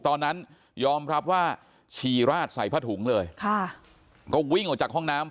ตอนนั้นยอมรับว่าชีราดใส่ผ้าถุงเลยค่ะก็วิ่งออกจากห้องน้ำ